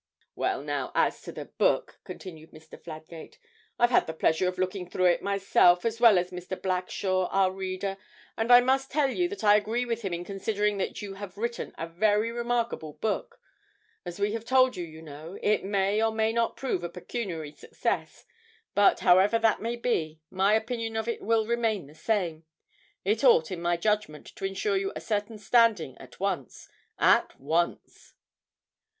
'Well, now, as to the book,' continued Mr. Fladgate; 'I've had the pleasure of looking through it myself, as well as Mr. Blackshaw, our reader, and I must tell you that I agree with him in considering that you have written a very remarkable book. As we told you, you know, it may or may not prove a pecuniary success, but, however that may be, my opinion of it will remain the same; it ought, in my judgment, to ensure you a certain standing at once at once.'